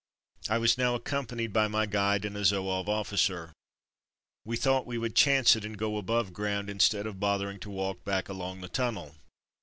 I was now accompanied by my guide and a Zouave officer. We thought we would chance it and go above ground instead of bothering to walk back along the tunnel.